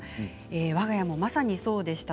わが家もまさにそうでした。